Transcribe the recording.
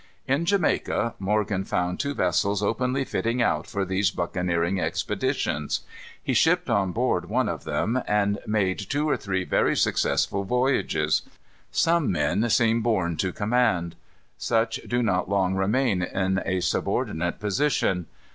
At Jamaica, Morgan found two vessels openly fitting out for these buccaneering expeditions. He shipped on board one of them, and made two or three very successful voyages. Some men seem born to command. Such do not long remain in a subordinate position.